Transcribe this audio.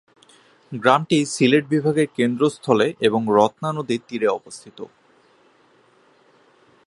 গ্রামটি সিলেট বিভাগের কেন্দ্রস্থলে এবং রত্না নদীর তীরে অবস্থিত।